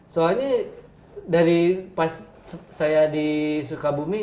soalnya dari pas saya di sukabumi